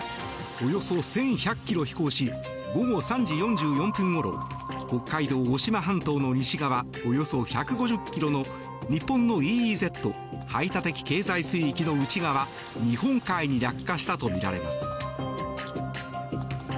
およそ１１００ｋｍ飛行し午後３時４４分ごろ北海道・渡島半島の西側およそ１５０ｋｍの日本のＥＥＺ・排他的経済水域の内側日本海に落下したとみられます。